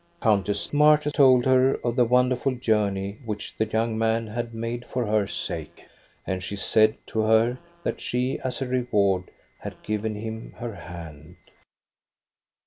" Countess Marta told her of the wonderful jour ney which the young man had made for her sake, and she said to her that she, as a reward, had given him her hand.